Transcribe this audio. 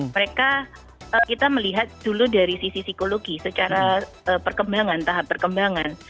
mereka kita melihat dulu dari sisi psikologi secara perkembangan tahap perkembangan